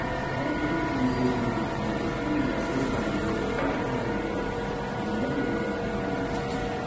My position gave me the chance of hitting that old enemy some telling blows, in another direction than these.